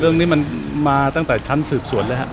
เรื่องนี้มันมาตั้งแต่ชั้นสืบสวนเลยครับ